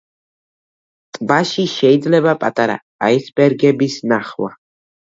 ტბაში შეიძლება პატარა აისბერგების ნახვა.